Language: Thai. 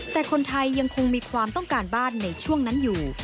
แต่คนไทยยังคงมีความต้องการบ้านในช่วงนั้นอยู่